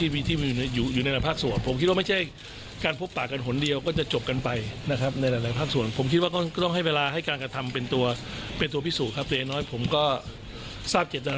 เป็นไล่หนักส่วนขัดแย้งไม่ใช่การพุกกันให้การเป็นตัวพิสูจน์ครับ